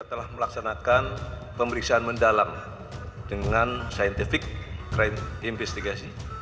telah melaksanakan pemeriksaan mendalam dengan saintifik krim investigasi